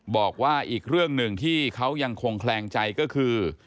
บอกว่าอีกเรื่องหนึ่งที่เขายังคงแคลงใจก็คือ